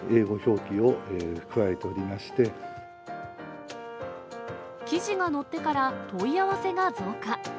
記事が載ってから問い合わせが増加。